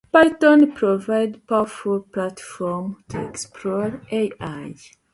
There, to bed!